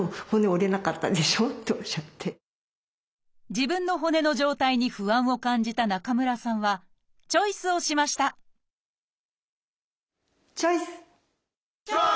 自分の骨の状態に不安を感じた中村さんはチョイスをしましたチョイス！